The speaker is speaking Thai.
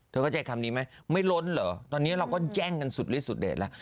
เข้าใจคำนี้ไหมไม่ล้นเหรอตอนนี้เราก็แจ้งกันสุดฤทธสุดเด็ดแล้ว